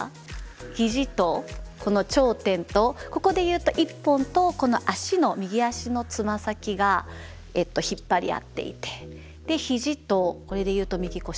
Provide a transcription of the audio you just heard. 肘とこの頂点とここで言うと１本とこの足の右足のつま先が引っ張り合っていて肘とこれで言うと右腰か。